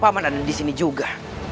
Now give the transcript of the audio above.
paman dan di sini juga